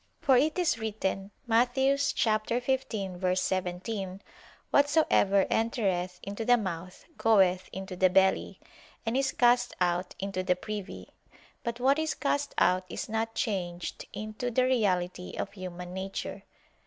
For it is written (Matt. 15:17): "Whatsoever entereth into the mouth, goeth into the belly, and is cast out into the privy." But what is cast out is not changed into the reality of human nature.